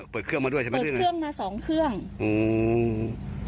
เปิดเครื่องมาด้วยใช่ไหมเปิดเครื่องมาสองเครื่องอืม